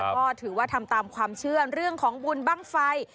ก็ถือว่าทำตามความเชื่อเรื่องของบุญบ้างไฟ